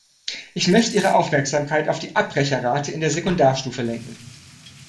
Ich möchte Ihre Aufmerksamkeit auf die Abbrecherrate in der Sekundarstufe lenken.